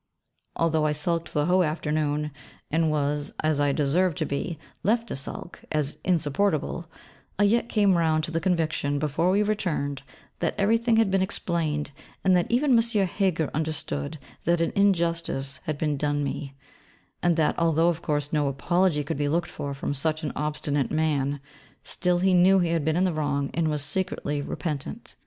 Although I sulked the whole afternoon, and was, as I deserved to be, left to sulk, as 'insupportable,' I yet came round to the conviction before we returned, that everything had been explained, and that even M. Heger understood that an injustice had been done me; and that although, of course, no apology could be looked for from such an obstinate man, still he knew he had been in the wrong and was secretly repentant.